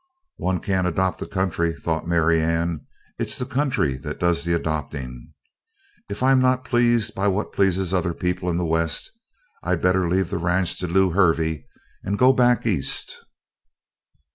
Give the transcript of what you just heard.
"One can't adopt a country," thought Marianne, "it's the country that does the adopting. If I'm not pleased by what pleases other people in the West, I'd better leave the ranch to Lew Hervey and go back East."